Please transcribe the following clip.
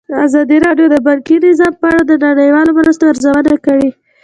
ازادي راډیو د بانکي نظام په اړه د نړیوالو مرستو ارزونه کړې.